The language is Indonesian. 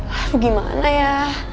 lalu gimana ya